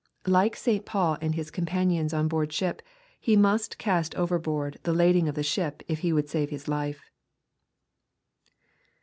Like St. Paul and his companions qa board ship, he must cast overboard the lading of the ship if he would save his life.